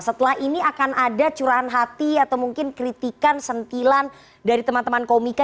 setelah ini akan ada curahan hati atau mungkin kritikan sentilan dari teman teman komika